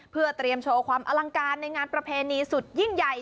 เพื่อเตรียมโชว์ความอลังการในงานประเพณีสุดยิ่งใหญ่